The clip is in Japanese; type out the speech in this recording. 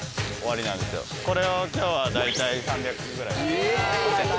これを今日は大体３００ぐらい。